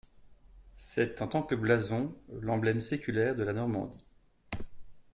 C’est, en tant que blason, l’emblème séculaire de la Normandie.